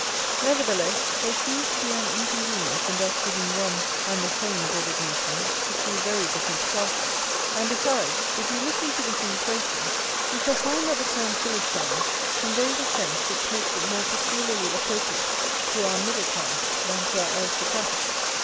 Nevertheless, there seems to be an inconvenience in thus giving one and the same designation to two very different classes; and besides, if we look into the thing closely, we shall find that the term Philistine conveys a sense which makes it more peculiarly appropriate to our middle class than to our aristocratic.